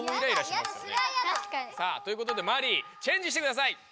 さあということでマリイチェンジしてください。